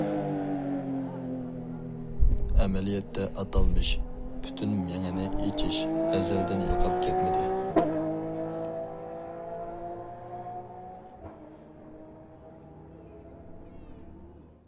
ئەمەلىيەتتە، ئاتالمىش« پۈتۈن مېڭىنى ئېچىش» ئەزەلدىن يوقاپ كەتمىدى.